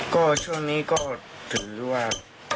ก็ช่วงนี้ก็ถือว่า